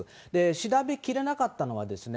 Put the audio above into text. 調べきれなかったのはですね、